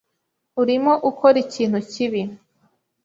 Urimo ukora ikintu kibi.